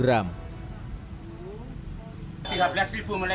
rp tiga belas mulai kemarin per kg nya